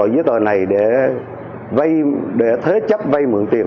để thế chấp vay mượn tiền